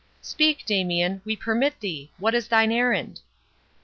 —Speak, Damian, we permit thee—What is thine errand?"